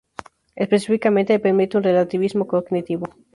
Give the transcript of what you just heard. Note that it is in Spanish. Específicamente, permite un relativismo cognitivo.